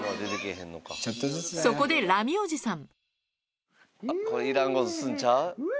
そこでラミおじさん。